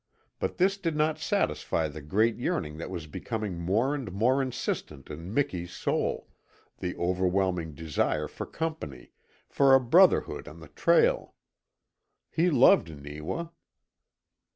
But this did not satisfy the great yearning that was becoming more and more insistent in Miki's soul, the overwhelming desire for company, for a brotherhood on the trail. He loved Neewa.